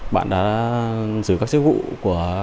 bạn đã giữ các sức vụ